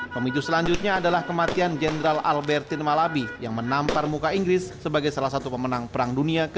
pemicu selanjutnya adalah kematian jenderal albertin malabi yang menampar muka inggris sebagai salah satu pemenang perang dunia ke dua ribu